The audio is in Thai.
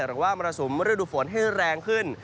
หรือว่ามรสุมฤดูฝนให้แรงขึ้น